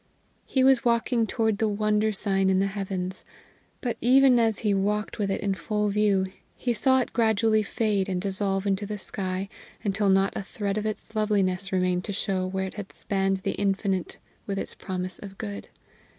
He was walking toward the wonder sign in the heavens. But even as he walked with it full in view, he saw it gradually fade and dissolve into the sky, until not a thread of its loveliness remained to show where it had spanned the infinite with its promise of good.